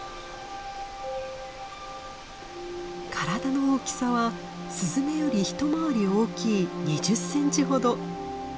体の大きさはスズメより一回り大きい２０センチほど。